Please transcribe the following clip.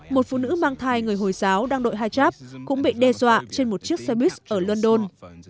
một phụ nữ mang thai người hồi giáo đang đội hijab cũng bị đe dọa trên một chiếc xe bus ở london